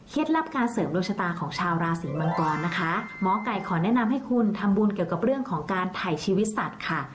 ลับการเสริมดวงชะตาของชาวราศีมังกรนะคะหมอไก่ขอแนะนำให้คุณทำบุญเกี่ยวกับเรื่องของการถ่ายชีวิตสัตว์ค่ะ